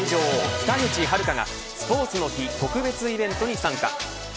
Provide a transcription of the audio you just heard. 北口榛花が、スポーツの日特別イベントに参加。